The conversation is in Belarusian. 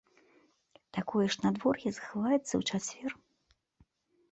Такое ж надвор'е захаваецца і ў чацвер.